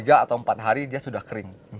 tiga atau empat hari dia sudah kering